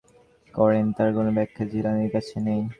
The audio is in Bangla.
শিয়ারা কেন বিজেপিকে পছন্দ করেন, তার কোনো ব্যাখ্যা জিলানির কাছে নেই।